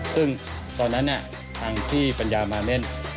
ซึ่งตอนนั้นทางพี่ปัญญามาเม่น